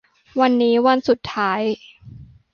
วันนี้วันสุดท้าย